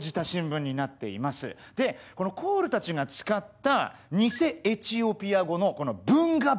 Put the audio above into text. でこのコールたちが使った偽エチオピア語の「ブンガブンガ」。